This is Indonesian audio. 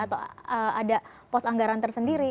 atau ada pos anggaran tersendiri